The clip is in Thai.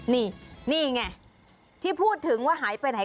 นี่นี่ไงที่พูดถึงว่าหายไปไหน